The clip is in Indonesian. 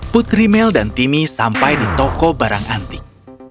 putri mel dan timmy sampai di toko barang antik